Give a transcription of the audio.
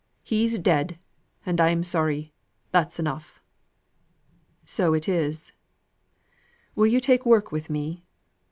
He's dead, and I'm sorry. That's enough." "So it is. Will you take work with me?